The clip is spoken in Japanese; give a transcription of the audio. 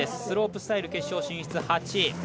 スロープスタイル決勝進出８位。